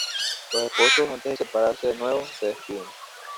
Los esposos, antes de separarse de nuevo, se despiden.